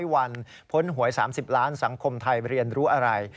วันพ้นหวย๓๐ล้านสังคมไทยเรียนรู้อะไร